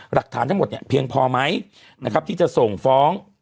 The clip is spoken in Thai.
หลักฐานทั้งหมดเนี่ยเพียงพอไหมนะครับที่จะส่งฟ้อง